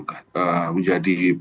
yang kemudian duduk menjadi pengusaha